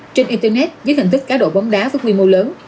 trên internet với hình thức cá đội bóng đá với quy mô lớn